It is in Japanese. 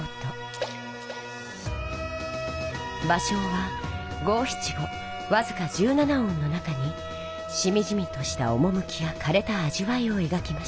芭蕉は五七五わずか十七音の中にしみじみとしたおもむきやかれたあじわいをえがきました。